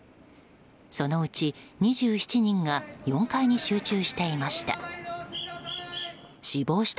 そのうち２７人が４階に集中していました。